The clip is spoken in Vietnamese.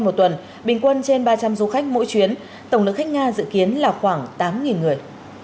một tuần bình quân trên ba trăm linh du khách mỗi chuyến tổng lượng khách nga dự kiến là khoảng tám người